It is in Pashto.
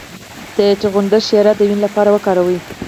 د چغندر شیره د وینې لپاره وکاروئ